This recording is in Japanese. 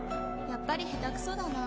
「やっぱり下手くそだな」